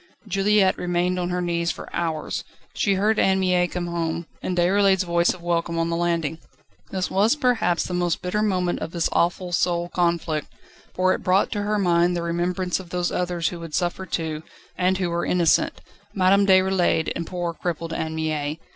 Juliette remained on her knees for hours. She heard Anne Mie come home, and Déroulède's voice of welcome on the landing. This was perhaps the most bitter moment of this awful soul conflict, for it brought to her mind the remembrance of those others who would suffer too, and who were innocent Madame Déroulède and poor, crippled Anne Mie.